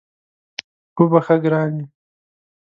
وبخښه ګرانې